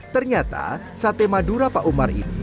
ternyata sate madura pak umar ini